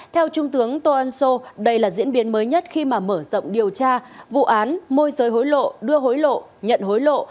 theo trung tướng tô ân sô đây là diễn biến mới nhất khi mà mở rộng điều tra vụ án môi giới hối lộ đưa hối lộ nhận hối lộ